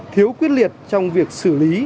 thiếu quyết liệt trong việc xử lý